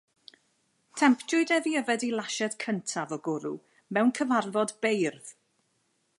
Temtiwyd ef i yfed ei lasied cyntaf o gwrw mewn cyfarfod beirdd.